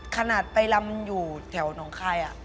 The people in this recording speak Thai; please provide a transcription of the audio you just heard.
ขนาดไปลำอยู่แถวหนองคาย